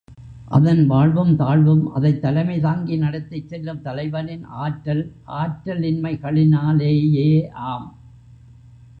அதன் வாழ்வும் தாழ்வும், அதைத் தலைமை தாங்கி நடத்திச் செல்லும் தலைவனின் ஆற்றல் ஆற்றலின்மைகளினாலேயேயாம்.